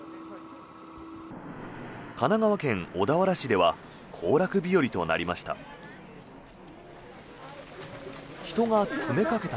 神奈川県小田原市では行楽日和となりました。